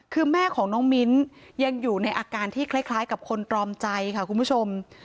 คือแม่ของน้องมิ้นยังอยู่ในอาการที่คล้ายกับคนตรอมใจค่ะคุณผู้ชม